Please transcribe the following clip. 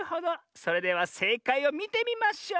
それではせいかいをみてみましょう！